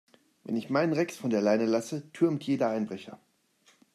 Wenn ich meinen Rex von der Leine lasse, türmt jeder Einbrecher.